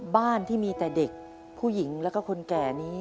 บ้านที่มีแต่เด็กผู้หญิงแล้วก็คนแก่นี้